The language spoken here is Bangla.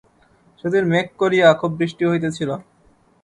সেদিন মেঘ করিয়া খুব বৃষ্টি হইতেছিল।